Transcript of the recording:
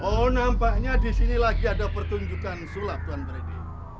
oh nampaknya disini lagi ada pertunjukan sulap tuan freddy